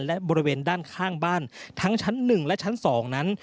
และบริเวณด้านข้างบ้านทั้งชั้น๑และชั้น๒นั้น